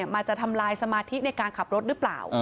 มันจะทำลายสมาธิในการขับรถหรือเปล่า